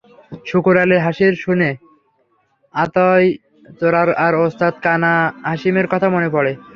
শুকুর আলীর হাসি শুনে আতই চোরার তার ওস্তাদ কানা হাশিমের কথা মনে পড়ে।